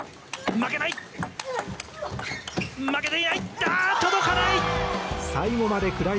負けない！